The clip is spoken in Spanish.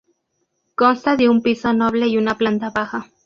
Consta de un piso noble y una planta baja.